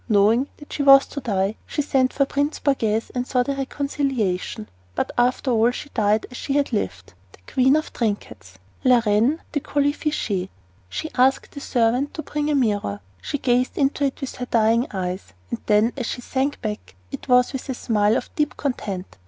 Knowing that she was to die, she sent for Prince Borghese and sought a reconciliation. But, after all, she died as she had lived "the queen of trinkets" (la reine des colifichets). She asked the servant to bring a mirror. She gazed into it with her dying eyes; and then, as she sank back, it was with a smile of deep content.